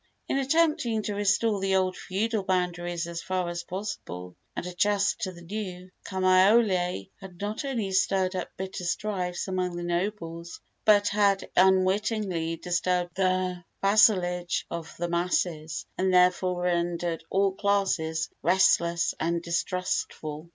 In attempting to restore the old feudal boundaries as far as possible, and adjust the new, Kamaiole had not only stirred up bitter strifes among the nobles, but had unwittingly disturbed the vassalage of the masses and thereby rendered all classes restless and distrustful.